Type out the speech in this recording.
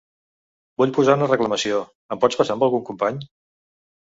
Vull posar una reclamació, em pots passar amb algun company?